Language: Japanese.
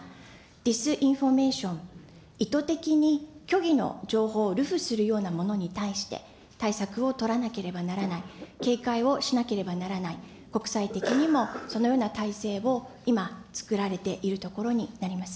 ディスインフォメーション、意図的に虚偽の情報を流布するようなものに対して対策を取らなければならない、警戒をしなければならない、国際的にもそのような体制を今、つくられているところになります。